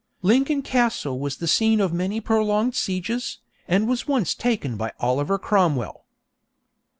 _Lincoln Castle was the scene of many prolonged sieges, and was once taken by Oliver Cromwell.